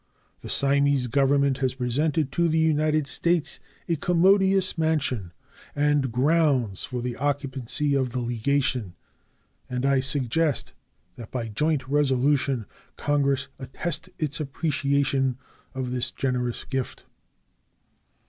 The Siamese Government has presented to the United States a commodious mansion and grounds for the occupancy of the legation, and I suggest that by joint resolution Congress attest its appreciation of this generous gift.